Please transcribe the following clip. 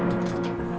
uya buka gerbang